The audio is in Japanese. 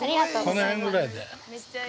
◆この辺ぐらいで。